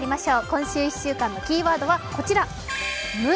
今週１週間のキーワードはこちら、「無」